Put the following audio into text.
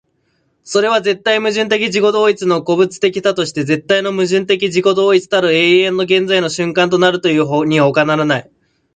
それは絶対矛盾的自己同一の個物的多として絶対の矛盾的自己同一たる永遠の現在の瞬間となるというにほかならない。